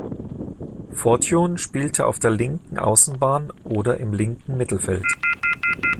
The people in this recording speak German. Fortune spielte auf der linken Außenbahn oder im linken Mittelfeld.